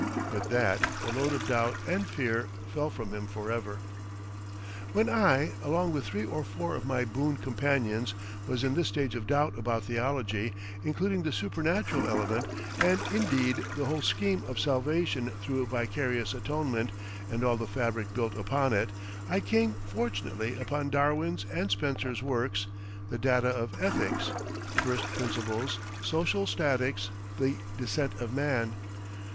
With that the load of doubt and fear fell from him forever. When I, along with three or four of my boon companions, was in this stage of doubt about theology, including the supernatural element, and indeed the whole scheme of salvation through vicarious atonement and all the fabric built upon it, I came fortunately upon Darwin's and Spencer's works "The Data of Ethics," "First Principles," "Social Statics," "The Descent of Man."